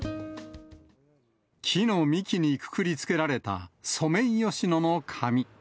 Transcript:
木の幹にくくりつけられたソメイヨシノの紙。